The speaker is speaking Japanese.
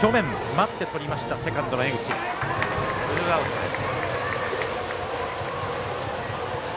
ツーアウトです。